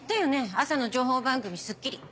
朝の情報番組『スッキリ』。